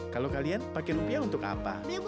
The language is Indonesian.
kalau kalian pakai rupiah untuk apa